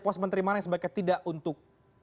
pos menteri mana yang sebaiknya tidak untuk